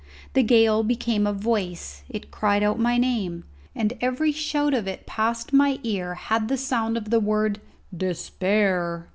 The gale became a voice; it cried out my name, and every shout of it past my ear had the sound of the word 'Despair!'